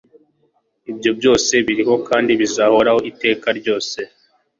ibyo byose biriho kandi bizahoraho iteka ryose